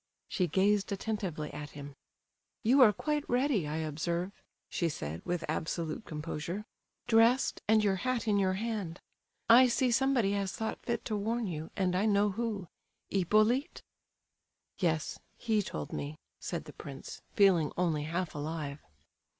She gazed attentively at him. "You are quite ready, I observe," she said, with absolute composure, "dressed, and your hat in your hand. I see somebody has thought fit to warn you, and I know who. Hippolyte?" "Yes, he told me," said the prince, feeling only half alive.